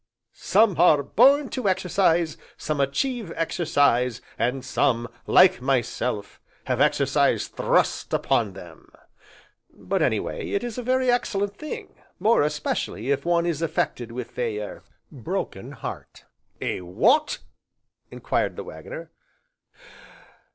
'Some are born to exercise, some achieve exercise, and some, like myself, have exercise thrust upon them.' But, anyway, it is a very excellent thing, more especially if one is affected with a er broken heart." "A w'ot?" enquired the Waggoner.